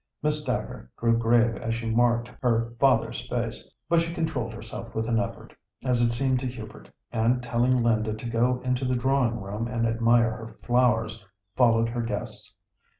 Miss Dacre grew grave as she marked her father's face, but she controlled herself with an effort, as it seemed to Hubert, and telling Linda to go into the drawing room and admire her flowers, followed her guests.